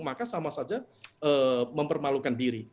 maka sama saja mempermalukan diri